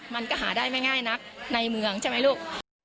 มันก็หาได้ไม่ง่ายนักในเมืองใช่ไหมลูก